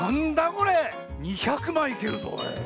これ⁉２００まいいけるぞこれ。